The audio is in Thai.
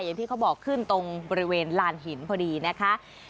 อย่างที่เขาบอกขึ้นตรงบริเวณลานหินพอดีนะคะ